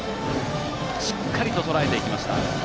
しっかりととらえていきました。